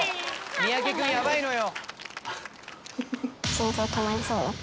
三宅君ヤバいのよ。